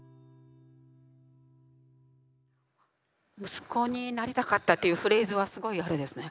「息子になりたかった」というフレーズはすごいあれですね。